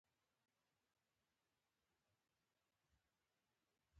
شتمن انسان د خپل مال سره دین ته هم ارزښت ورکوي.